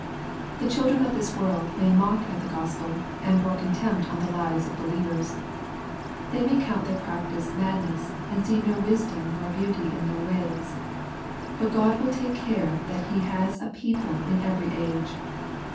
The children of this world may mock at the Gospel, and pour contempt on the lives of believers. They may count their practice madness, and see no wisdom nor beauty in their ways. But God will take care that He has a people in every age.